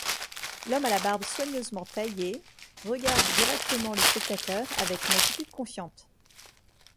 L'homme à la barbe soigneusement taillée regarde directement le spectateur, avec une attitude confiante.